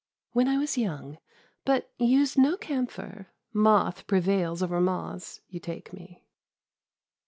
" When I was young, But used no camphor : moth prevails 11 Over moths, you take me."